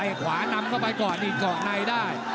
แต่ขวานำเข้าก่อนอีกก้อกในได้